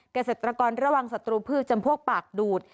เกษตรกรระวังศัตรูพืชจำพวกปากดูด